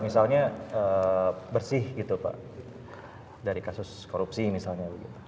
misalnya bersih gitu pak dari kasus korupsi misalnya